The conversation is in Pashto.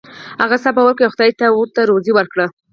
هغه صبر وکړ او خدای ورته روزي ورکړه.